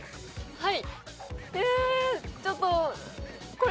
はい。